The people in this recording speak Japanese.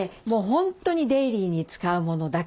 本当にデイリーに使うものだけです。